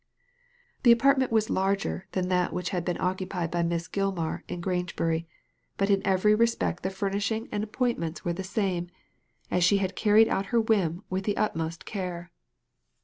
The apartment was larger than that which had been occupied by Miss Gilmar in Grangebury, but in every respect the furnishing and appointments Digitized by Google 96 THE LADY FROM NOWHERE were the same, as she had carried out her whim with the utmost care.